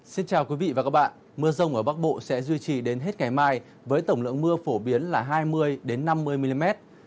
xin chào quý vị và các bạn mưa rông ở bắc bộ sẽ duy trì đến hết ngày mai với tổng lượng mưa phổ biến là hai mươi năm mươi mm